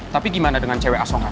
tapi gimana dengan cewek asongan